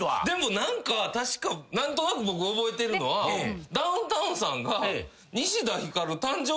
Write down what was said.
でも何か確か何となく僕覚えてるのはダウンタウンさんが。